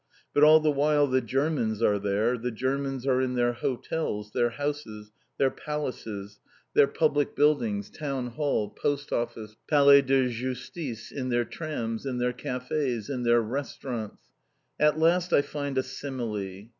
But all the while the Germans are there, the Germans are in their hotels, their houses, their palaces, their public buildings, Town Hall, Post Office, Palais de Justice, in their trams, in their cafés, in their restaurants At last I find a simile.